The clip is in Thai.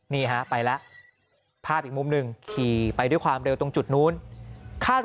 นี่ฮะไปแล้วภาพอีกมุมหนึ่งขี่ไปด้วยความเร็วตรงจุดนู้นคาดว่า